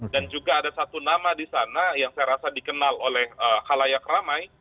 dan juga ada satu nama di sana yang saya rasa dikenal oleh halayak ramai